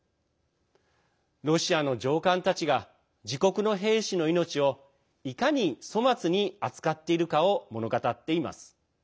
ロシアの上官たちが自国の兵士の命をいかに粗末に扱っているかを物語っています。